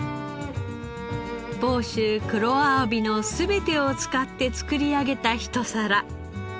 房州黒あわびの全てを使って作り上げたひと皿。